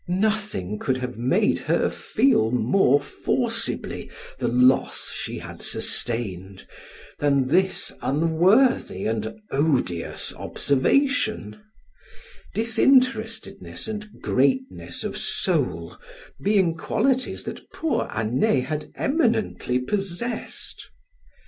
Nothing could have made her feel more forcibly the loss she had sustained, than this unworthy and odious observation; disinterestedness and greatness of soul being qualities that poor Anet had eminently possessed.